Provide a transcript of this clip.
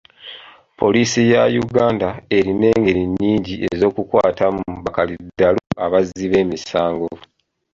Poliisi ya Uganda erina engeri nnyingi ez'okukwatamu bakaliddalu abazzi b'emisango.